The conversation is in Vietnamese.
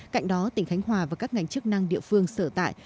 cạnh đó tỉnh khánh hòa và các ngành chức năng địa phương sở tại